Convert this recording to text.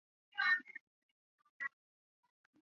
双齿毛足蟹为扇蟹科毛足蟹属的动物。